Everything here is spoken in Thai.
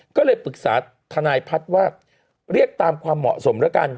ก็เลยปรึกษาทนายพัฒน์ว่าเรียกตามความเหมาะสมแล้วกัน